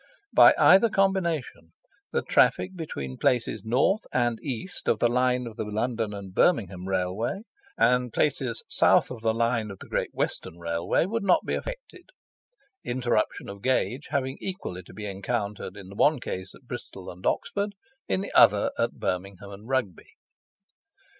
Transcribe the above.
By either combination the traffic between places north and east of the line of the London and Birmingham Railway and places south of the line of the Great Western Railway would not be affected, interruption of gauge having equally to be encountered in the one case at Bristol and Oxford, in the other at Birmingham and Rugby.